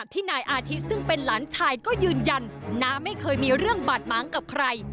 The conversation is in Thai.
ที่นายอาทิตย์ซึ่งเป็นหลานชายก็ยืนยันน้าไม่เคยมีเรื่องบาดม้างกับใคร